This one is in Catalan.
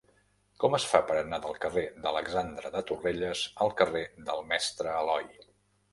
Com es fa per anar del carrer d'Alexandre de Torrelles al carrer del Mestre Aloi?